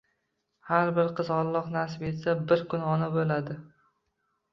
Har bir qiz – Alloh nasib etsa – bir kun ona bo‘ladi.